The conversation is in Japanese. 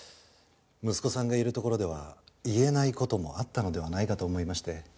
息子さんがいる所では言えない事もあったのではないかと思いまして。